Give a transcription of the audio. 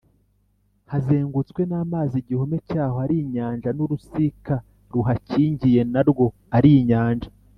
hazengutswe n’amazi igihome cyaho ari inyanja n’urusika ruhakingiye na rwo ari inyanja?